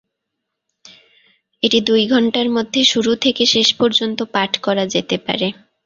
এটি দুই ঘন্টার মধ্যে শেষ থেকে শেষ পর্যন্ত পাঠ করা যেতে পারে।